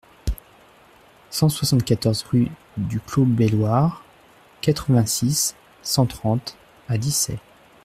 cent soixante-quatorze rue du Clos Beilhoir, quatre-vingt-six, cent trente à Dissay